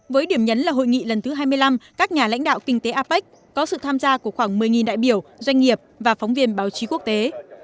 với điểm nhấn là hội nghị lần thứ hai mươi năm các nhà lãnh đạo kinh tế apec có sự tham gia của khoảng một mươi đại biểu doanh nghiệp và phóng viên báo chí quốc tế